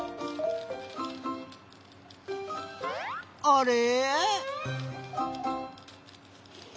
あれ？